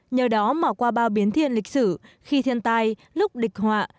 nhờ đó mà qua bao biến thiên lịch sử khi thiên tai lúc địch họa